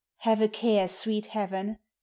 Have a care, sweet Heaven !